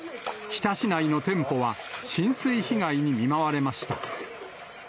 日田市内の店舗は浸水被害に見舞われました。